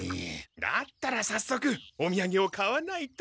だったらさっそくおみやげを買わないと。